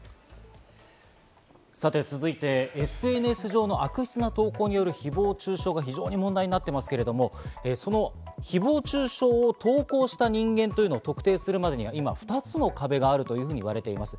さて続いて、ＳＮＳ上の悪質な投稿による誹謗中傷が非常に問題になっていますけれども、誹謗中傷を投稿した人間というのを特定するまでには、今２つの壁があると言われています。